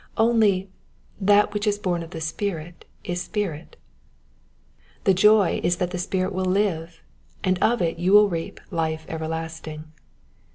Only " that which is born of the Spirit is spirit "; the joy is that the spirit will live, and of it you will reap life everlasting.